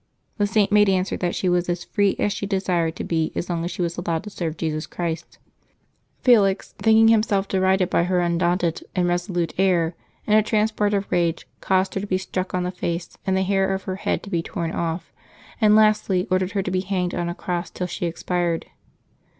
The Saint made answer that she was as free as she desired to be as long as she was allowed to serve Jesus Christ. 190 LIVES OF TEE SAINTS [May 24 Felix, thinking himself derided hy her undaunted and reso lute air, in a transport of rage caused her to be struck on the face, and the hair of her head to be torn off, and, lastly, ordered her to be hanged on a cross till she expired.